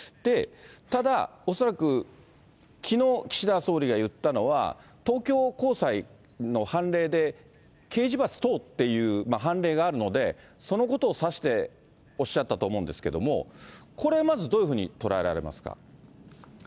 ただ、恐らくきのう岸田総理が言ったのは、東京高裁の判例で、刑事罰等という判例があるので、そのことを指しておっしゃったと思うんですけれども、これ、まずどういうふうに捉えられますか。